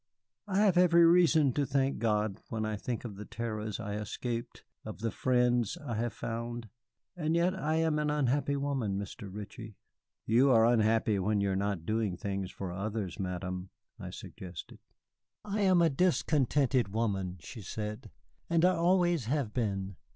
"I have every reason to thank God when I think of the terrors I escaped, of the friends I have found. And yet I am an unhappy woman, Mr. Ritchie." "You are unhappy when you are not doing things for others, Madame," I suggested. "I am a discontented woman," she said; "I always have been.